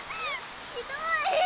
ひどい。